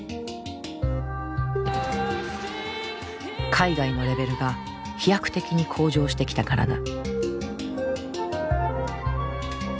海外のレベルが飛躍的に向上してきたからだ。